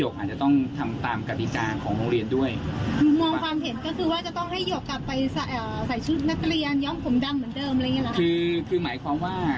คือหมายความว่า